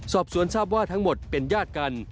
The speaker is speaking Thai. สอบสวนทราบว่าทั้งหมดเป็นญาติกัน